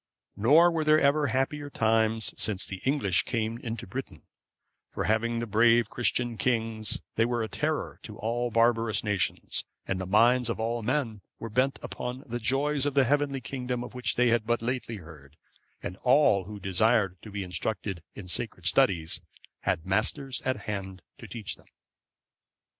Nor were there ever happier times since the English came into Britain; for having brave Christian kings, they were a terror to all barbarous nations, and the minds of all men were bent upon the joys of the heavenly kingdom of which they had but lately heard; and all who desired to be instructed in sacred studies had masters at hand to teach them.